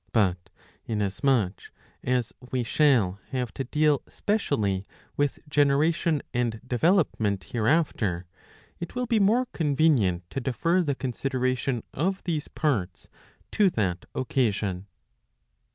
But, inasmuch as 678 a. iv. 4— iv. 5. 97 we shall have to deal specially with generation and development hereafter, it will be more convenient to defer the consideration of these parts to that occasion.